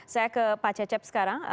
saya ke pak cecep sekarang